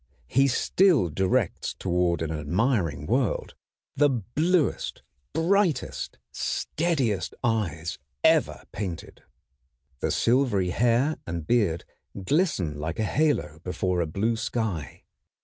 He still directs toward an admiring world the bluest, brightest, steadiest eyes ever painted. The silvery hair and beard glisten like a halo before a blue sky.